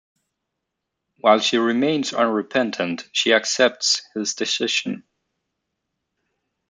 While she remains unrepentant, she accepts his decision.